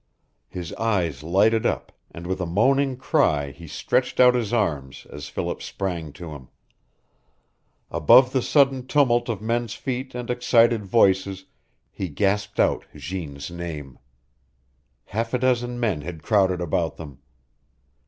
His eyes lighted up, and with a moaning cry he stretched out his arms as Philip sprang to him. Above the sudden tumult of men's feet and excited voices he gasped out Jeanne's name. Half a dozen men had crowded about them.